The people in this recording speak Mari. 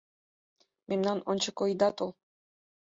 Мемнан ончыко ида тол -